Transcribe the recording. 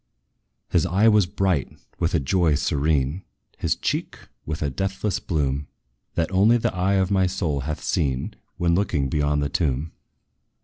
His eye was bright with a joy serene, His cheek with a deathless bloom, That only the eye of my soul hath seen, When looking beyond the tomb.